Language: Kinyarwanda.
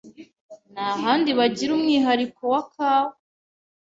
n’ahandi bagira umwihariko wa kawa